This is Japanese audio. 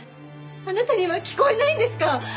あなたには聞こえないんですか？